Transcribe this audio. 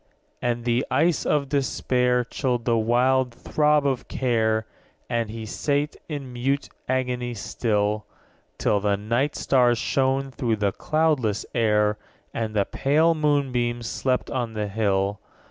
6. And the ice of despair Chilled the wild throb of care, And he sate in mute agony still; Till the night stars shone through the cloudless air, _35 And the pale moonbeam slept on the hill.